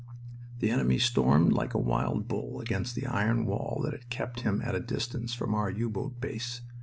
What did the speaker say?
The enemy stormed like a wild bull against the iron wall that kept him at a distance from our U boat base.